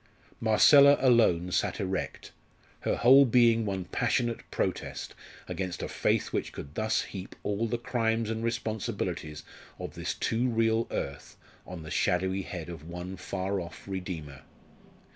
Marcella alone sat erect, her whole being one passionate protest against a faith which could thus heap all the crimes and responsibilities of this too real earth on the shadowy head of one far off Redeemer.